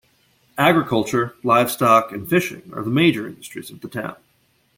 Agriculture, livestock and fishing are the major industries of the town.